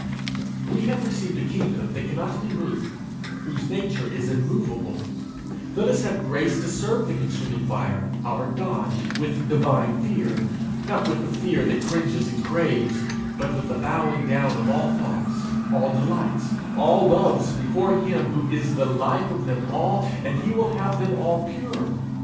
We have received a kingdom that cannot be moved whose nature is immovable: let us have grace to serve the Consuming Fire, our God, with divine fear; not with the fear that cringes and craves, but with the bowing down of all thoughts, all delights, all loves before him who is the life of them all, and will have them all pure.